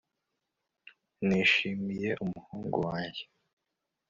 nishimiye umuhungu wanjye